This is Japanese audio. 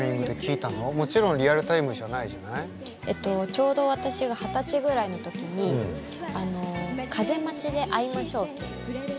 ちょうど私が二十歳ぐらいの時に「風街であひませう」っていう。